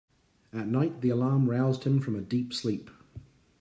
At night the alarm roused him from a deep sleep.